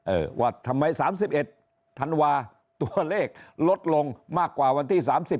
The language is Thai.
เออว่าทำไม๓๑ธันวาตัวเลขลดลงมากกว่าวันที่๓๐